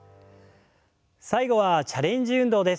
最後はチャレンジ運動です。